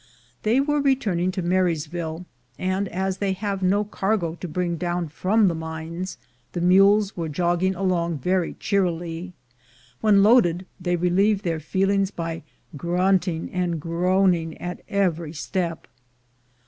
They were re turning to Marysville; and as they have no cargo to bring down from the mines, the mules were jogging along very cheerily; when loaded, they relieve their feelings by grunting and groaning at every step.